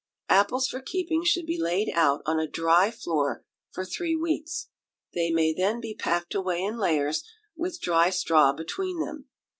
Apples for keeping should be laid out on a dry floor for three weeks. They may then be packed away in layers, with dry straw between them.